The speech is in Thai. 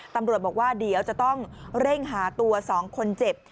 ตำรวจบอกว่าเดี๋ยวจะต้องเร่งหาตัว๒คนเจ็บ